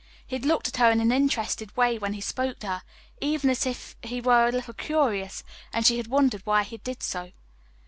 He had looked at her in an interested way when he spoke to her even as if he were a little curious, and she had wondered why he did so.